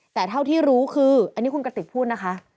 แต่เท่าที่รู้คืออันนี้คุณกติกพูดนะคะ